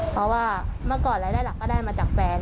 เพราะว่าเมื่อก่อนรายได้หลักก็ได้มาจากแฟน